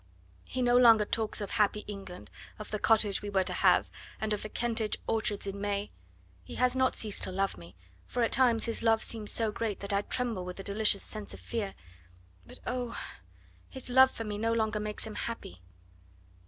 He no longer talks of happy England, of the cottage we were to have, and of the Kentish orchards in May. He has not ceased to love me, for at times his love seems so great that I tremble with a delicious sense of fear. But oh! his love for me no longer makes him happy."